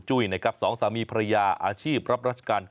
ตามแนวทางศาสตร์พระราชาของในหลวงราชการที่๙